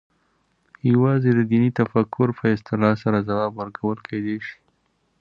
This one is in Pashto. یوازې د دیني تفکر په اصلاح سره ځواب ورکول کېدای شي.